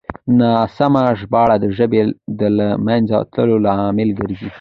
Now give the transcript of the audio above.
ناسمه ژباړه د ژبې د له منځه تللو لامل ګرځي.